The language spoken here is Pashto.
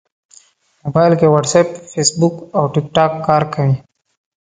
موبایل کې واټساپ، فېسبوک او ټېکټاک کار کوي.